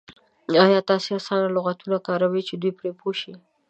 ایا تاسې اسانه لغتونه کاروئ چې دوی پرې پوه شي؟